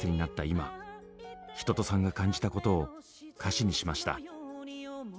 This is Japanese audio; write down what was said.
今一青さんが感じたことを歌詞にしました。